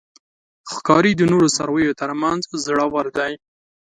ښکاري د نورو څارویو تر منځ زړور دی.